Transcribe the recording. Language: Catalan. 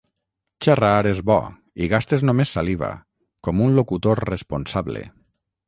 Xerrar és bo i gastes només saliva, com un locutor responsable.